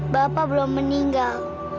bapak belum meninggal